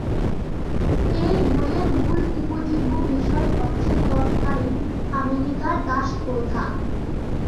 এই বইয়ের মূল উপজীব্য বিষয় হচ্ছে তৎকালীন আমেরিকার দাসপ্রথা।